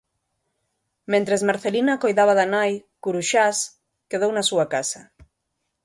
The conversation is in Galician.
Mentres Marcelina coidaba da nai, "Curuxás" quedou na súa casa.